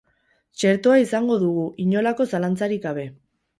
Txertoa izango dugu, inolako zalantzarik gabe.